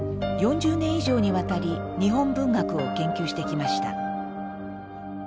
４０年以上にわたり日本文学を研究してきました。